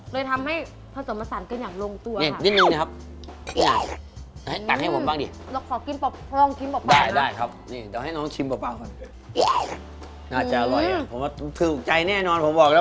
เลยทำให้ผสมสารเป็นอย่างลงตัวค่ะ